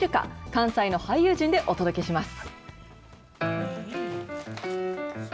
関西の俳優陣でお届けします。